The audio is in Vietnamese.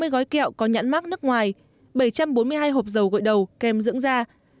bốn trăm tám mươi gói kẹo có nhãn mát nước ngoài bảy trăm bốn mươi hai hộp dầu gội đầu kem dưỡng da